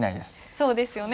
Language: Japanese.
そうですよね